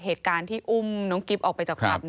เหตุการณ์ที่อุ้มน้องกิ๊บออกไปจากผับ